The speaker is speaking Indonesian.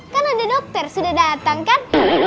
kan ada dokter sudah datang kan